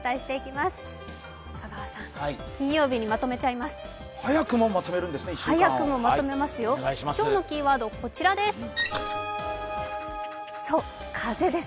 今日のキーワードはこちらです。